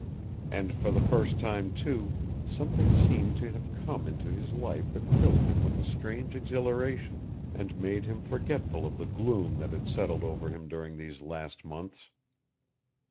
And for the first time, too, something seemed to have come into his life that filled him with a strange exhilaration, and made him forgetful of the gloom that had settled over him during these last months.